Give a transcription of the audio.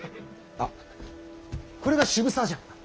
あこれが渋沢じゃ。